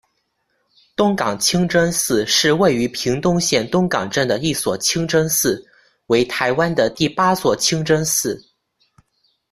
东港清真寺是位于屏东县东港镇的一所清真寺，为台湾的第八座清真寺。